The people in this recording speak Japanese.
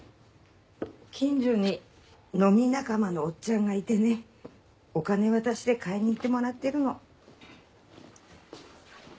近所に飲み仲間のおっちゃんがいてねお金渡して買いに行ってもらってるの。